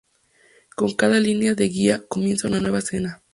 Con cada línea de guía comienza una nueva escena.